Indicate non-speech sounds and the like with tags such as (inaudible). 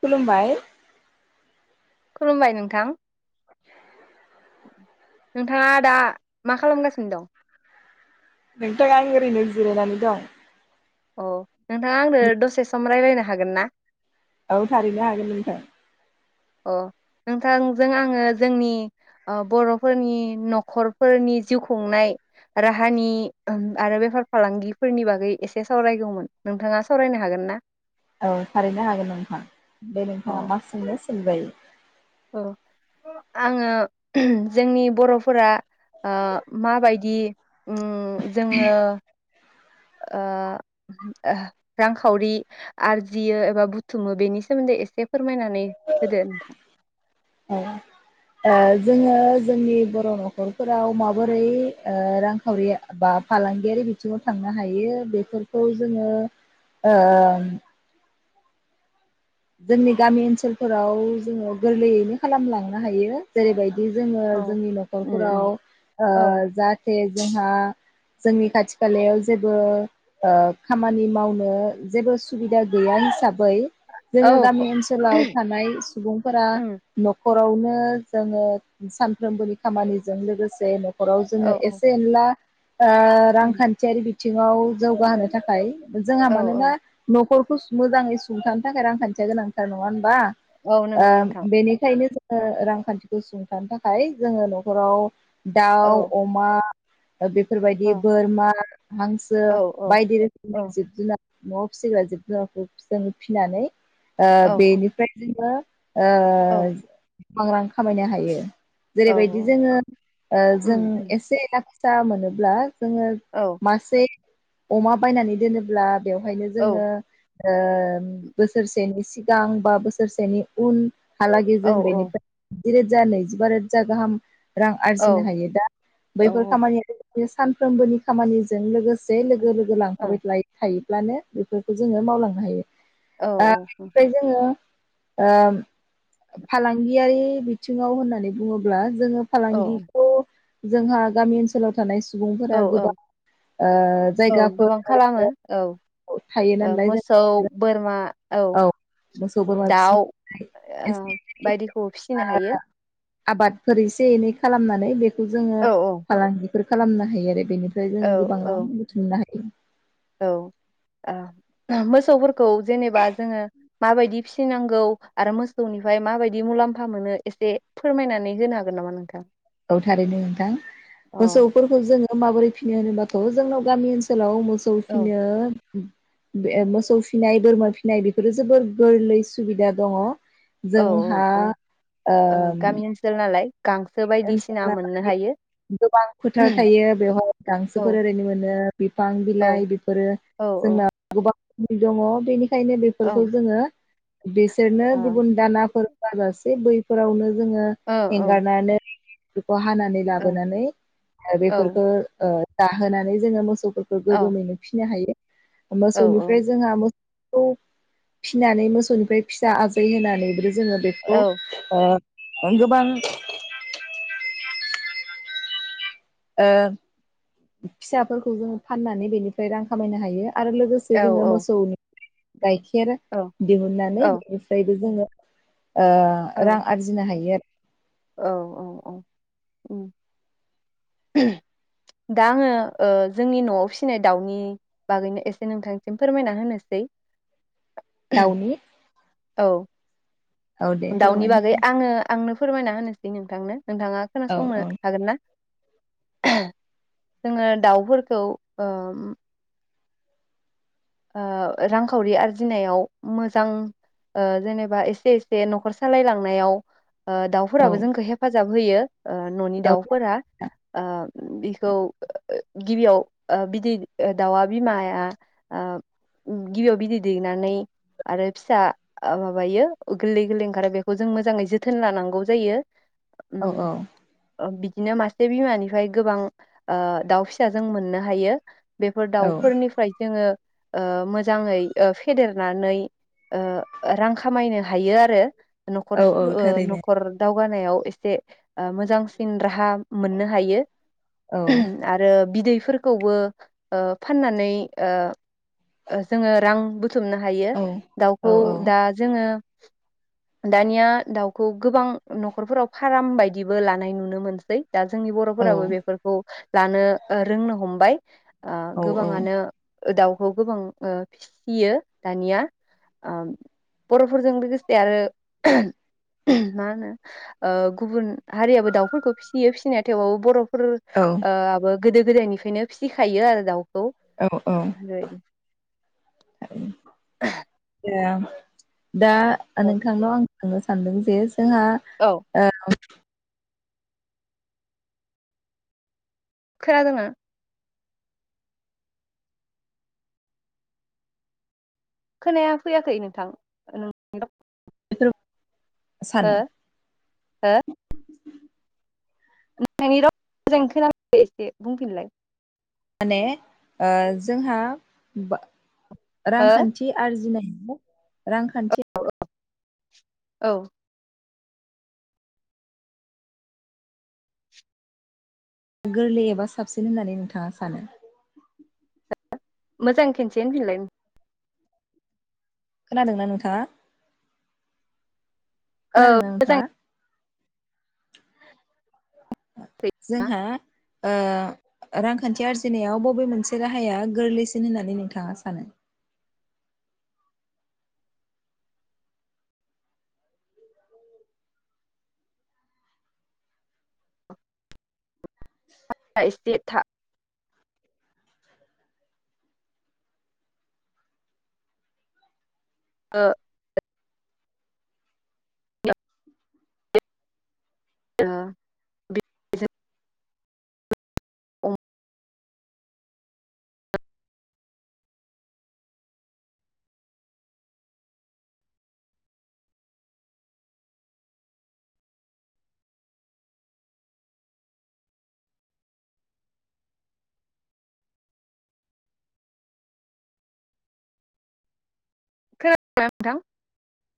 खुलुमबाय। खुलुमबाय नोंथां नोंथाङा दा मा खालामगासिनो दं? नोंथां आं ओरैनो जिरायनानै दं। अ नोंथाङा आंनो दसे सम रायलायनो हागोन ना? औ थारैनो हागोन नोंथां। अ नोंथांजों आङो जोंनि ओ बर'फोरनि न'खरफोरनि जिउ खुंनाय राहानि उम आरो बेफार फालांगिफोरनि बागै एसे सावरायगौमोन नोंथाङा सावरायनो हागोन ना? औ थारैनो हागोन नोंथां बे अ नोंथाङा मा सिननो सिनजायो। औ आङो जोंनि बर'फोरा ओ माबायदि। उम जोङो। ओ ओहो रांखावरि आरजियो एबा बुथुमो बेनि सोमोन्दै एसे फोरमायनानै होदो नोंथां। औ ओ जोङो जोंनि बर' न'खरफोराव माबोरै ओ रांखावरि बा फालांगियारि बिथिङाव थांनो हायो बेफोरखौ जोङो ओ। जोंनि गामि ओनसोलफोराव जोङो गोरलैयैनो खालामलांनो हायो जेरैबाय दि जोङो औ जोंनि उम न'खरफोराव उम ओ औ जाहाथे जोंहा। जोंनि खाथि खालायाव जेबो ओ खामानि मावनो जेबो सुबिदा गैया हिसाबै। जोङो गामि ओनसोलाव थानाय सुबुंफोरा उम न' खरावनो जोङो सानफ्रोमबोनि खामानिजों लोगोसे न खराव औ जोङो औ एसे एनला ओ उम रांखान्थियारि बि थिङाव जौगाहोनो थाखाय जोंहा औ औ मानोना न'खर मोजांङै सुंथा थाखाय रांखान्थिया गोनांथार नंङा होन बा औ नंगौ ओ नोंथां बेनिखायनो जों ओ रांखान्थिखौ सुंथानो थाखाय जोंङो नखराव। औ दाउ अमा। ओ औ बेफोरबायदि बोरमा। हांसो औ औ बायदि औ रोखोमनि जिब जुनार न आव फिग्रा जिब जुनारफोर फि फिनानै। ओ औ बेनिफ्राय जोंङो। ओ। औ गोबां रां खामायनो हायो जेरैबायदि औ जोंङो ओ उम जों उम एसे एला (unintelligible) जोंङो औ मासे अमा बायनानै दोनोब्ला बेवहायनो औ जोंङो ओ बोसोरसेनि सिगां बा बोसोरसेनि उन हलागै औ जों औ बेनिफ्राय जिरोजा नैजिबा रोजा गाहाम रां औ आरजिनो हायो दा औ बैफोर खामानि बे सानफ्रोमबोनि खामानि जों लोगोसे लोगो (unintelligible) ब्लानो बेफोरखौ जोंङो मावलांनो हायो औ ओ औ बेनिफ्राय जोङो ओ फालांगियारि बिथिंङाव होननानै बुंङोब्ला जोंङो फालांगिखौ जोंहा गामि ओनसोलाव थानाय सु सुबुंफोरा औ औ गोबां ओ औ जायगाफोर गोबां खालामो औ ओरैनो थायो ओ नालाय मोसौ जेनबा बोरमा औ दाउ ओ एसे बायदिखौबो फिसिनो हायो आबादफोर एसे एनै खालामनानै बे खौ जोङो औ फालांगि फोर खालामनो हायो आरो बेनिफ्राय औ जोङो गोबां रां बुथुमनो हायो। औ आ मोसौ बोर खौ जेनेबा जोङो माबायदि फिसिनांगौ आरो मोसौनिफ्राय माबायदि मुलाम्फा मोनो एसे फोरमायनानै होनो हागोन नामा नोंथां? औ थारैनो नोंथां अ मोसौफोरखौ जोङो माबोरै फिनो होनोब्ला खौ जोंनि गामि ओनसोलाव मो सौ औ फिनो बे मोसौ फिनाय बोरमा फिनाय बेफोरो जोबोर गोरलै सुबिदा दङ। औ जोंहा औ ओ ओम गामि ओनसोल नालाय गांसो बायदिसिना (inaudible) मोननो हायो गोबां फोथार थायो बेवहाय औ गांसोफोर ओरैनो मोनो बिफां औ बिलाइ बेफोरो औ जोंनाव गोबां दङ बेनि खायनो औ बेफोरखौ जोङो बिसोरनो औ गुबुन दानाफोर होआजासे बैफोरावनो जोङो औ औ एंगारनानै (inaudible) खौ हानानै लाबोनानै औ बेफोरखो ओ जाहोनानै जोङो मोसौ फोरखौ गोगोमैनो फिनो हायो। औ मोसौनिफ्राय जोंहा मोस खौ फिनानै मोसौनिफ्राय फिसा आजै होनानैबो जोङो औ बेखौ ओ गोबां ओ फिसाफोरखौ जोङो फाननानै बेनिफ्राय रां खामायनो हायो। आरो लोगोसे जोङो मोसौनि गाइखेर दिहुननानै बेनिफ्रायबो जोङो ओ रां आरजिनो हायो आ औ औ औ उम दा आङो ओ जोंनि नआव फिसिनाय दाउनि बागैनो एसे नोंथांसिम फोरमायना होनोसै। दाउनि औ औ दे दाउनि फोरमाय बागै आङो आंनो फोरमायना होनोसै नोंथांनो। नोंथाङा औ खोनासंनो औ हागोन ना? जोङो दाउफोरखौ ओ ओ रांखावरि आरजिनायाव मोजां जेनेबा एसे एसे नखर सालायलांनायाव ओ औ दाउफोराबो जोंखौ हेफाजाब होयो अ न'नि दाउफोरा अ बेखौ गिबियाव बिदै दाउआ बिमाया आ गिबियाव बिदै दैनानै आरो फिसा माबायो गोरलै गोरलै ओंखारो बेखौ जों मोजाङै जोथोन लानांगौ जायो। औ उम औ अ बि दिनो मासे बिमानिफ्राय गोबां आ दाउ फिसा जों मोननो हायो। बेफोर औ दाउफोरनिफ्राय जोङो ओ मोजाङै ओ फेदेरनानै ओ रां खामायनो हायो आरो। नखर औ स औ थारैनो नखर दाव गानायाव एसे मोजांसिन राहा मोननो हायो। औ आरो बिदै फोरखौबो ओ फाननानै ओ जोङो रां बु थुमनो हायो औ औ दाउखौ दा जोङो दानिया दाउखौ गोबां नखरफोराव फार्म बायदिबो लानाय नुनो मोनसै दा जोंनि औ बर'फोराबो बेफोरखौ लानो रोंनो हमबाय ओ औ गोबाङानो उ दाव खौ गोबां ओ फिसियो दानिया आ बर'फोरजों लोगोसे आरो मा होनो ओ गुबुन हारियाबो दाउफोरखौ फिसियो फिसिनाया थेवबाबो बर' फोर आबो गोदो गोदायनिफ्रायनो फिसिखायो आरो दाउ अ अ (unintelligible) (inaudible) दा औ नोंथांन' आं सोंनो सानदों जे जोंहा औ ओ खोनादों ना? खोनाया फैयाखै नोंथां (inaudible) हो सानो हो नोंनि राव मोजां खोनायाखै एसे बुंफिनलाय माने ओ जोंहा बा हो रांखान्थि आरजिनाय हो रांखान्थि औ गोरलै एबा साबसिन होननानै नोंथाङा सानो मोजां खिनसे होनफिनलाय खोनादोंना नोंथाङा औ खोनादोंना मोजां नोंथाङा जोंहा ओ रांखान्थि आरजिनायाव बबे मोनसे राहाया गोरलैसिन होननानै नोंथाङा सानो (unintelligible) ओ (unintelligible) द (unintelligible)